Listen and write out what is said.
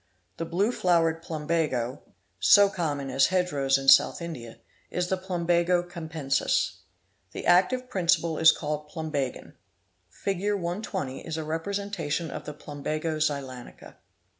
The' blue flowered plumbago, so common as hedge rows in South India, is the Plumbago capensis. The active principle is called Plumbagin. Fig. 120 — is a representation of the Plumbago zeylanica.